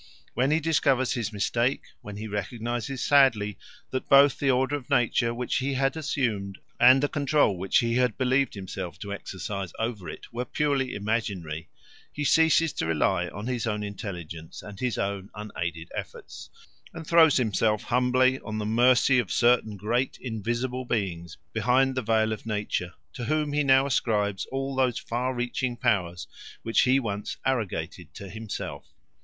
When he discovers his mistake, when he recognises sadly that both the order of nature which he had assumed and the control which he had believed himself to exercise over it were purely imaginary, he ceases to rely on his own intelligence and his own unaided efforts, and throws himself humbly on the mercy of certain great invisible beings behind the veil of nature, to whom he now ascribes all those far reaching powers which he once arrogated to himself.